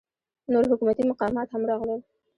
نور حکومتي مقامات هم راغلل.